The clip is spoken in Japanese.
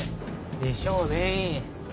でしょうね。